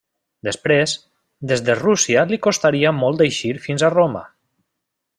Després, des de Rússia li costaria molt eixir fins a Roma.